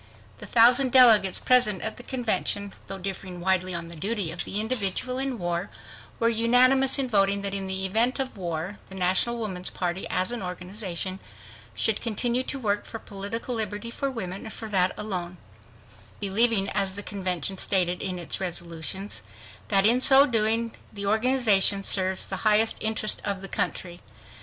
The thousand delegates present at the convention, though differing widely on the duty of the individual in war, were unanimous in voting that in the event of war, the National Woman's Party, as an organization, should continue to work for political liberty for women and for that alone, believing as the convention stated in its resolutions, that in so doing the organization "serves the highest interest of the country."